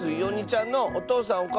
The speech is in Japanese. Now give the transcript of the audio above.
おにちゃんのおとうさん